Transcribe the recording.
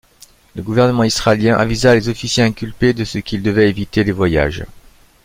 Le gouvernement israélien avisa les officiers inculpés de ce qu'ils devaient éviter les voyages.